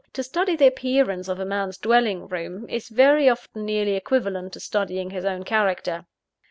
To study the appearance of a man's dwelling room, is very often nearly equivalent to studying his own character.